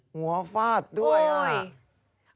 หัวฟาดด้วย